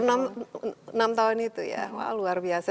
selama enam tahun itu ya wah luar biasa